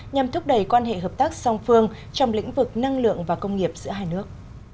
nhằm thúc đẩy quan hệ hợp tác song phương trong lĩnh vực năng lượng và công nghiệp giữa hai nước